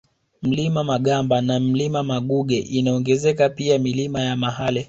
Mlima Magamba na Mlima Maguge inaongezeka pia Milima ya Mahale